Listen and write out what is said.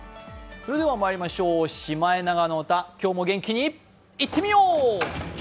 それでは「シマエナガの歌」、今日も元気にいってみよう！